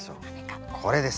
これです。